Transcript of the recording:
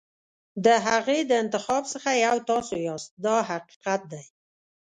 د هغې د انتخاب څخه یو تاسو یاست دا حقیقت دی.